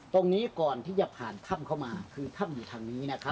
ก่อนที่จะผ่านถ้ำเข้ามาคือถ้ำอยู่ทางนี้นะครับ